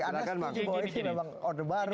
anda kan mau bawa ini memang order baru